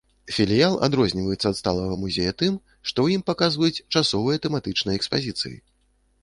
Філіял адрозніваецца ад сталага музея тым, што ў ім паказваюць часовыя тэматычныя экспазіцыі!!!!